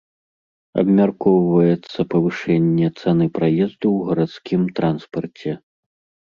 Абмяркоўваецца павышэнне цаны праезду ў гарадскім транспарце.